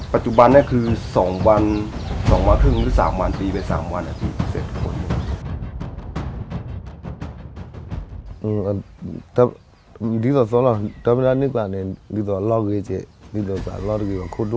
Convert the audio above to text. ปัจจุบันนี้คือ๒วัน๒วันครึ่งหรือ๓วันปีไป๓วันพี่เสร็จ